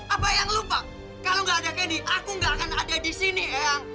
apa eyang lupa kalau gak ada kenny aku gak akan ada di sini eyang